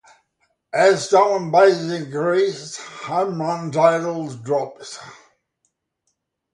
As stolen bases increased, home run totals dropped.